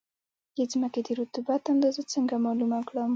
د ځمکې د رطوبت اندازه څنګه معلومه کړم؟